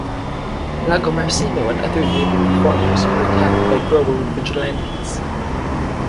Lagomarsino and other labor reformers were attacked by grower vigilantes.